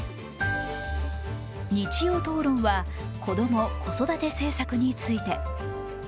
「日曜討論」は子供、子育て政策について。